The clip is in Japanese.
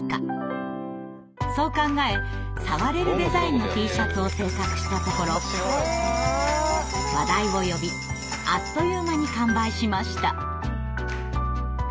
そう考え触れるデザインのＴシャツを制作したところ話題を呼びあっという間に完売しました。